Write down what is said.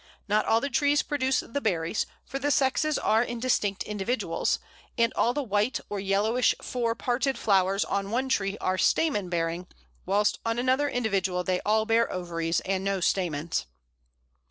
Not all the trees produce the berries, for the sexes are in distinct individuals, and all the white or yellowish four parted flowers on one tree are stamen bearing, whilst on another individual they all bear ovaries and no stamens.